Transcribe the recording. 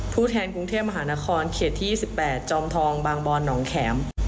แทนกรุงเทพมหานครเขตที่๒๘จอมทองบางบอนหนองแข็ม